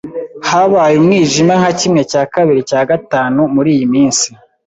Habaye umwijima nka kimwe cya kabiri cyagatanu muriyi minsi.